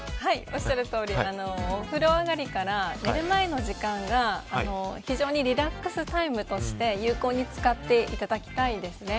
おっしゃるとおりお風呂上りから寝る前の時間が非常にリラックスタイムとして有効に使っていただきたいです。